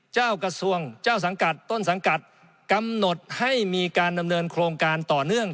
เจ้ากระทรวงเจ้าสังกัดต้นสังกัดกำหนดให้มีการดำเนินโครงการต่อเนื่อง